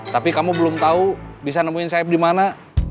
tapi kamu belum tahu bisa nemuin sayap di mana